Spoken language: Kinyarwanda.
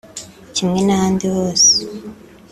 Kimwe n’ahandi hose